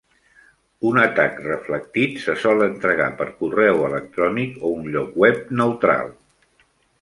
Un atac reflectit se sol entregar per correu electrònic o un lloc web neutral.